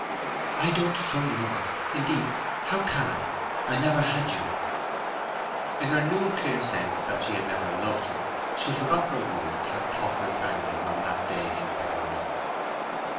"I don't throw you off—indeed, how can I? I never had you." In her noon clear sense that she had never loved him she forgot for a moment her thoughtless angle on that day in February.